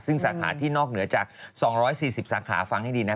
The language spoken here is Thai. ซึ่งสาขาที่นอกเหนือจาก๒๔๐สาขาฟังให้ดีนะ